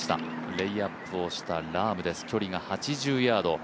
レイアップをしたラーム距離が８０ヤード。